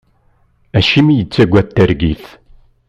Acimi i yettagad targit?